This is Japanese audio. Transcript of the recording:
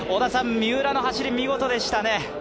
三浦の走り、見事でしたね。